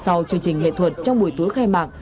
sau chương trình nghệ thuật trong buổi tối khai mạc